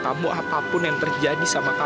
kamu berat dapat yang lebih sempurna